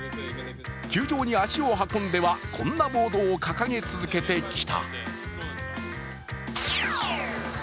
球場に足を運んではこんなボードを掲げ続けてきた。